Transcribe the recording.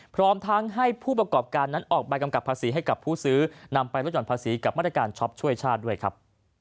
พร้อมทั้งให้ผู้ประกอบการนั้นออกใบกำกับภาษีให้กับผู้ซื้อนำไปลดห่อนภาษีกับมาตรการช็อปช่วยชาติด้วยครับ